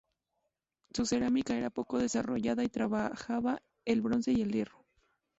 Su cerámica era poco desarrollada y trabajaban el bronce y el hierro.